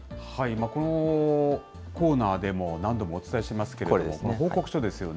このコーナーでも何度もお伝えしてますけれども、報告書ですよね。